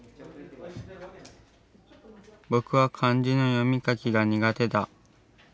僕は漢字の読み書きが苦手だ。